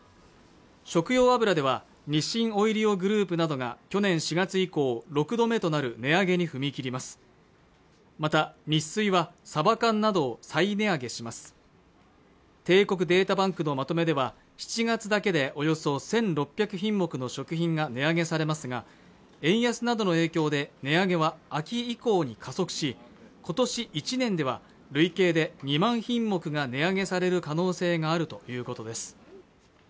食用油では日清オイリオグループなどが去年４月以降６度目となる値上げに踏み切りますまたニッスイはサバ缶などを再値上げします帝国データバンクのまとめでは７月だけでおよそ１６００品目の食品が値上げされますが円安などの影響で値上げは秋以降に加速し今年１年では累計で２万品目が値上げされる可能性があるということです